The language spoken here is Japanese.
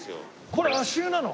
これ足湯なの？